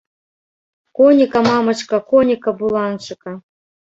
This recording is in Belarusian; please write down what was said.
Коніка, мамачка, коніка, буланчыка.